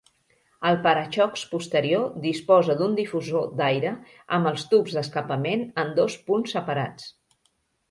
El para-xocs posterior disposa d'un difusor d'aire, amb els tubs d'escapament en dos punts separats.